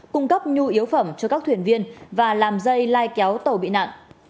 cung cấp nhu yếu phẩm cho các thuyền viên và làm dây lai kéo tàu bị nạn